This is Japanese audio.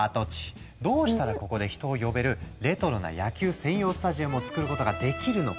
どうしたらここで人を呼べるレトロな野球専用スタジアムを作ることができるのか？